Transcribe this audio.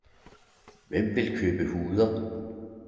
Hvem vil købe huder